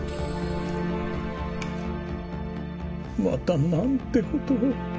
またなんて事を。